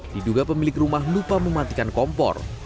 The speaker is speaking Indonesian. diduga pemilik rumah lupa mematikan kompor